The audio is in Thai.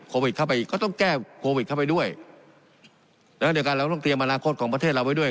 เข้าไปอีกก็ต้องแก้โควิดเข้าไปด้วยแล้วเดี๋ยวกันเราต้องเตรียมอนาคตของประเทศเราไว้ด้วย